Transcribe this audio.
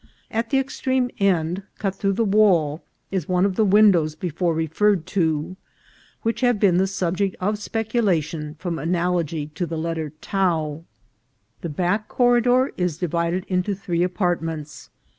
At the ex treme end, cut through the wall, is one of the windows before referred to, which have been the subject of spec ulation from analogy to the letter Tau. The back corridor is divided into three apartments.